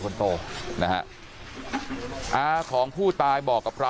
เมื่อ